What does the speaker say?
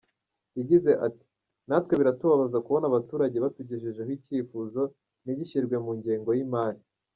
Yagize ati “Natwe biratubabaza kubona abaturage batugejejeho icyifuzo ntigishyirwe mu ngengo y’imari.